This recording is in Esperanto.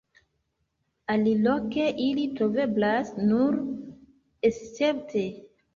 Aliloke ili troveblas nur escepte.